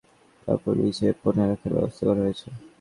গুদিতে পানি জমিয়ে মিহি সুতি কাপড় বিছিয়ে পোনা রাখার ব্যবস্থা করা হয়েছে।